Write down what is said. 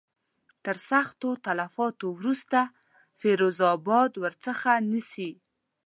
تر سختو تلفاتو وروسته فیروز آباد ورڅخه نیسي.